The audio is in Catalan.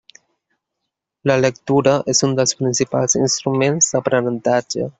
La lectura és un dels principals instruments d'aprenentatge.